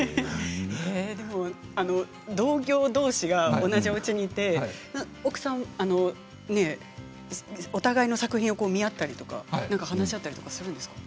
同業どうしが同じおうちにいてお互いの作品を見合ったり話し合ったりするんですか。